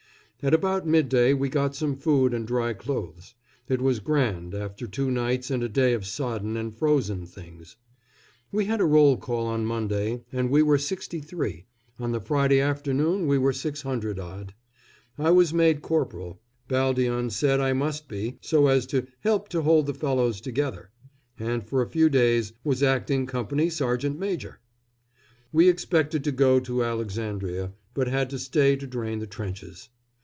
At about midday we got some food and dry clothes. It was grand, after two nights and a day of sodden and frozen things. We had a roll call on Monday, and we were 63 on the Friday afternoon we were 600 odd. I was made corporal Baldion said I must be, so as to "help to hold the fellows together," and for a few days was acting company S. M.! We expected to go to Alexandria, but had to stay to drain the trenches.